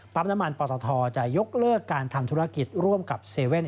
น้ำมันปตทจะยกเลิกการทำธุรกิจร่วมกับ๗๑๑